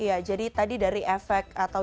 iya jadi tadi dari efek atau